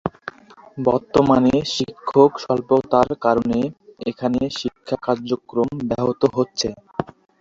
বর্তমানে শিক্ষক স্বল্পতার কারণে এখানে শিক্ষা কার্যক্রম ব্যহত হচ্ছে।